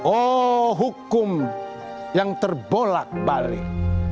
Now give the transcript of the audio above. oh hukum yang terbolak balik